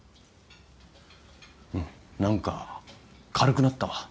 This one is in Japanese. うん何か軽くなったわ。